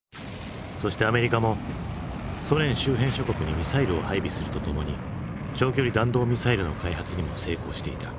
そしてアメリカもソ連周辺諸国にミサイルを配備するとともに長距離弾道ミサイルの開発にも成功していた。